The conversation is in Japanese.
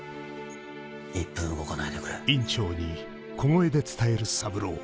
１分動かないでくれ。